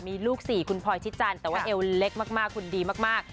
มีลูก๔คุณพลอยชิดจันทร์แต่ว่าเอวเล็กมากคุณดีมาก